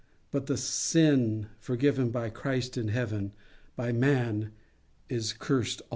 — But the sin forgiven by Christ in Heaven By man is cursed alway!